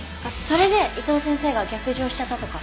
それで伊藤先生が逆上しちゃったとか。